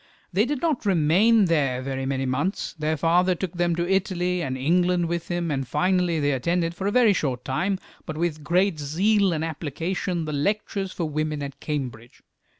They did not remain there very many months; their father took them to Italy and England with him, and finally they attended for a short time, but with great zeal and application, the lectures for women at Cambridge.